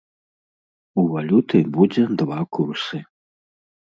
У валюты будзе два курсы.